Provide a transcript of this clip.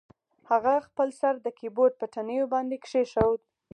هغه خپل سر د کیبورډ په تڼیو باندې کیښود